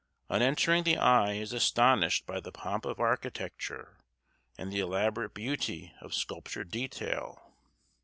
On entering the eye is astonished by the pomp of architecture and the elaborate beauty of sculptured detail.